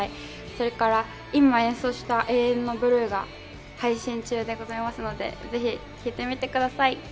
それから今演奏した『永遠のブルー』が配信中でございますので、ぜひ聴いてみてください。